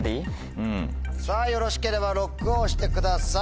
よろしければＬＯＣＫを押してください。